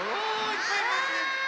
いっぱいいますね。